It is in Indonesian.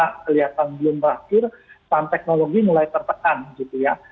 kelihatan belum berakhir salam teknologi mulai terpekan gitu ya